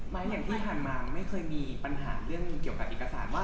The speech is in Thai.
อย่างที่ผ่านมาไม่เคยมีปัญหาเรื่องเกี่ยวกับเอกสารว่า